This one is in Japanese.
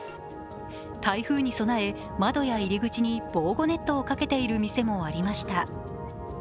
台風に備え、窓や入り口に防護ネットをかけている店もありました。